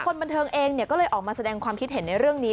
คนบันเทิงเองก็เลยออกมาแสดงความคิดเห็นในเรื่องนี้